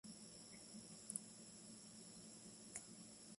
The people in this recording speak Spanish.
Su primer presidente fue Amalio Fernández.